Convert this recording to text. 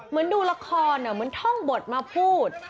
ดูละครเหมือนท่องบทมาพูด